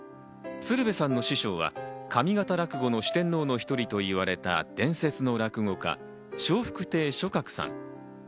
鶴瓶さんの師匠は上方落語の四天王の１人と言われた伝説の落語家・笑福亭松鶴さん。